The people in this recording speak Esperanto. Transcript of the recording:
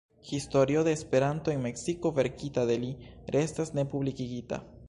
Historio de Esperanto en Meksiko, verkita de li, restas ne publikigita.